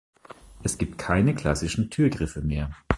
Es gibt keine klassischen Türgriffe mehr.